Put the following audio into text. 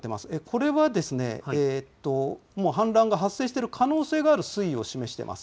これはもう、氾濫が発生している可能性がある水位を示しています。